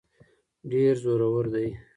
ډېر زورور دی.